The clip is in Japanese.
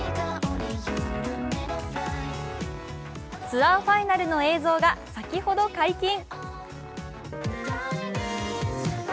ツアーファイナルの映像が先ほど解禁。